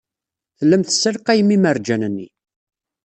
Tellam tessalqayem imerjan-nni.